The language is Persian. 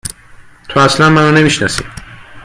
!تو اصلا منو نمی شناسی